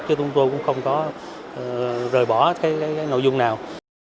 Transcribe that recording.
chứ chúng tôi cũng không có rời bỏ cái nội dung nào